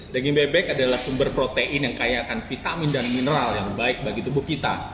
daging bebek adalah sumber protein yang kaya akan vitamin dan mineral yang baik bagi tubuh kita